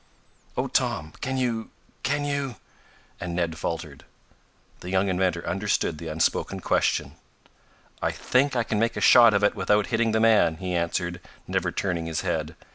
"Oh, Tom, can you can you " and Ned faltered. The young inventor understood the unspoken question. "I think I can make a shot of it without hitting the man," he answered, never turning his head.